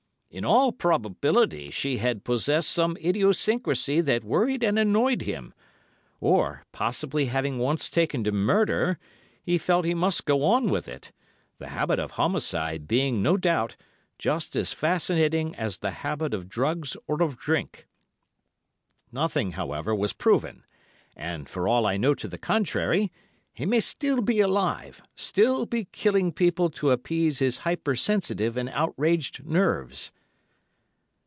In all probability she had possessed some idiosyncrasy that worried and annoyed him; or, possibly having once taken to murder, he felt he must go on with it—the habit of homicide being, no doubt, just as fascinating as the habit of drugs or of drink. "Nothing, however, was proven, and, for all I know to the contrary, he may still be alive, still be killing people to appease his hyper sensitive and outraged nerves."